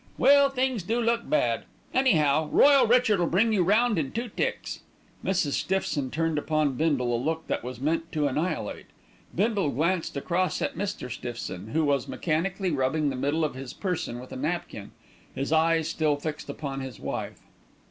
Well, things do look bad; anyhow, Royal Richard'll bring you round in two ticks." Mrs. Stiffson turned upon Bindle a look that was meant to annihilate. Bindle glanced across at Mr. Stiffson, who was mechanically rubbing the middle of his person with a napkin, his eyes still fixed upon his wife.